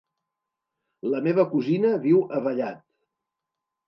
La meva cosina viu a Vallat.